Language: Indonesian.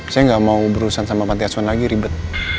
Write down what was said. saya nggak mau berurusan sama panti asuhan lagi ribet